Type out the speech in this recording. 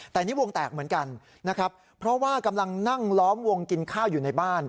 แต่นี่วงแตกเหมือนกันนะครับเพราะว่ากำลังนั่งล้อมวงกินข้าวอยู่ในบ้าน